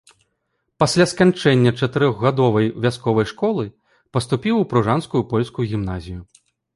Пасля сканчэння чатырохгадовай вясковай школы паступіў у пружанскую польскую гімназію.